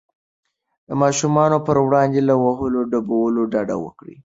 د ماشومانو پر وړاندې له وهلو ډبولو ډډه وکړئ.